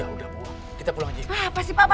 udah udah bu kita pulang aja